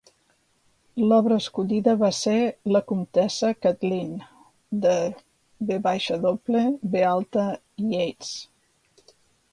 L'obra escollida va ser "La comtessa Kathleen" de W. B. Yeats.